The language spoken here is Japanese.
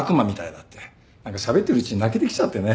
何かしゃべってるうちに泣けてきちゃってね。